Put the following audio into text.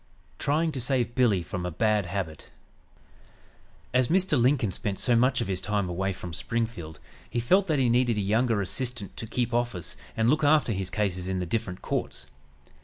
TRYING TO SAVE BILLY FROM A BAD HABIT As Mr. Lincoln spent so much of his time away from Springfield he felt that he needed a younger assistant to "keep office" and look after his cases in the different courts.